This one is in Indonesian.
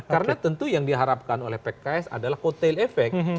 karena tentu yang diharapkan oleh pks adalah kotele efek